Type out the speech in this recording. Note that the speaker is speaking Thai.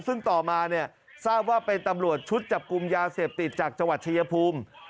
ซึ่งต่อมาทราบว่าเป็นตำรวจชุดจับกุมยาเสพติดจากจวัตรเชียรพม